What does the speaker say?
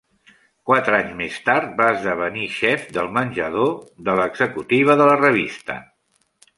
Quatre anys més tard va esdevenir xef del menjador de l'executiva de la revista.